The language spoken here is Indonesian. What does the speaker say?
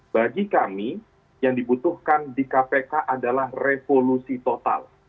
bagi kami yang dibutuhkan di kpk adalah revolusi total